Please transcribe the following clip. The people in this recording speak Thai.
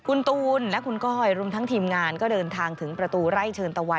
คุณตูนและคุณก้อยรวมทั้งทีมงานก็เดินทางถึงประตูไร่เชิญตะวัน